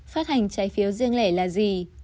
phát hành trái phiếu riêng lẻ là gì